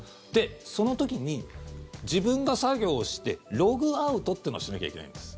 その時に、自分が作業してログアウトというのをしなきゃいけないんです。